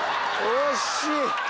惜しい！